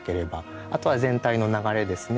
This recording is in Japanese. あとは全体の流れですね。